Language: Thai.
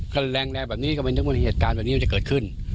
ก็แรงแบบนี้ก็ไม่นึกว่าเหตุการณ์แบบนี้มันจะเกิดขึ้น